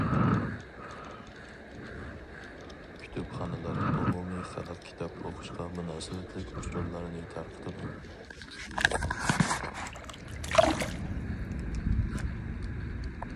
كۇتۇپخانىلار ئومۇمىي خەلق كىتاب ئوقۇشقا مۇناسىۋەتلىك ئۇچۇرلارنى تارقىتىدۇ.